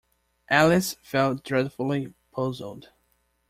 Alice felt dreadfully puzzled.